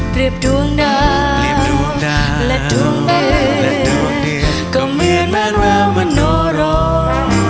เปรียบดวงดาและดวงเด็ดก็เหมือนแมนแววมันโนโรค